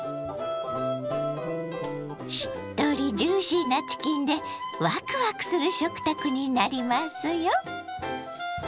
しっとりジューシーなチキンでワクワクする食卓になりますよ。